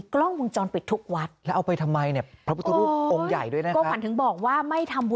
กล้องวงจรปิดทุกวาบ